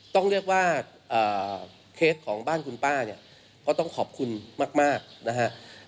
ต้องเรียกว่าเคสของบ้านคุณป้าเนี่ยก็ต้องขอบคุณมากนะฮะ